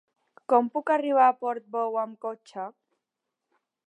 Com puc arribar a Portbou amb cotxe?